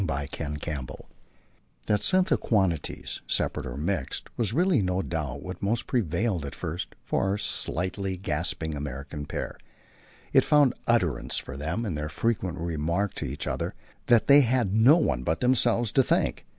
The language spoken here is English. Book Fourth, Chapter 2 That sense of quantities, separate or mixed, was really, no doubt, what most prevailed at first for our slightly gasping American pair; it found utterance for them in their frequent remark to each other that they had no one but themselves to thank.